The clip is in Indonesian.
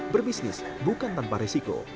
berbisnis bukan tanpa risiko